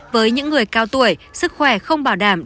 với những người cao tuổi sức khỏe không bảo đảm để đến